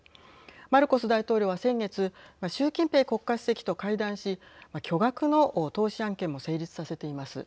マルコス大統領は先月習近平国家主席と会談し巨額の投資案件も成立させています。